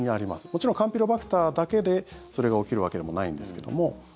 もちろんカンピロバクターだけでそれが起きるわけでもないんですけども。